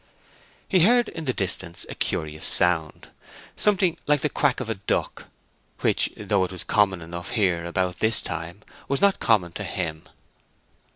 He heard in the distance a curious sound, something like the quack of a duck, which, though it was common enough here about this time, was not common to him.